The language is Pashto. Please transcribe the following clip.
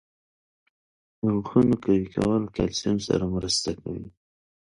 • د غاښونو قوي کول د کلسیم سره مرسته کوي.